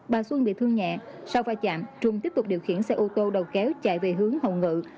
bà xuân bị thương nhẹ sau va chạm trung tiếp tục điều khiển xe ô tô đầu kéo chạy về hướng hồng ngự